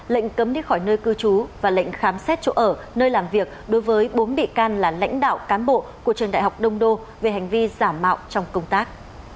lệnh cấm đi khỏi nơi cư trú và lệnh khám xét chỗ ở nơi làm việc đối với bốn bị can là lãnh đạo cán bộ của trường đại học đông đô về hành vi giả mạo trong công tác